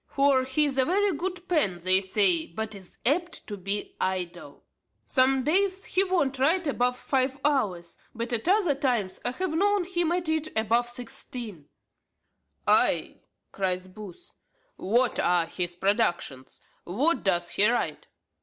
For he is a very good pen, they say, but is apt to be idle. Some days he won't write above five hours; but at other times I have know him at it above sixteen." "Ay!" cries Booth; "pray, what are his productions? What does he write?"